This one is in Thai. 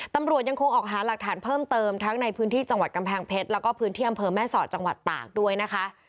ตำรวจยังคงออกหาหลักฐานเพิ่มเติมทั้งในพื้นที่จังหวัดกำแพงเพชรแล้วก็พื้นที่อำเภอแม่สอดจังหวัดตากด้วยนะคะ